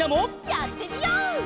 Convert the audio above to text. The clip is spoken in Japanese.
やってみよう！